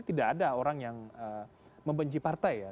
tidak ada orang yang membenci partai ya